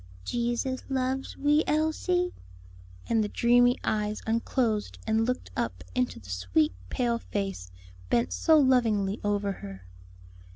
"Jesus loves wee Elsie?" and the dreamy eyes unclosed and looked up into the sweet pale face bent so lovingly over her.